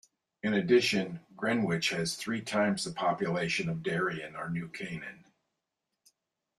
In addition, Greenwich has three times the population of Darien or New Canaan.